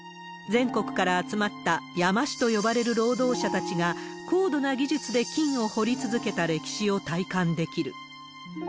全国から集まった山師と呼ばれる労働者たちが、高度な技術で金を掘り続けた歴史を体感できる。